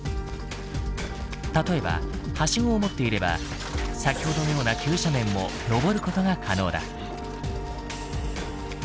例えばハシゴを持っていれば先ほどのような急斜面ものぼることが可能だ。